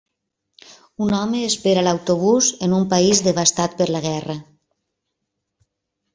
Un home espera l'autobús en un país devastat per la guerra